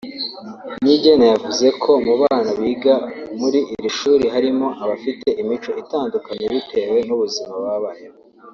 Niyigena yavuze ko mu bana biga muri iri shuri harimo abafite imico itandukanye bitewe n’ubuzima babayemo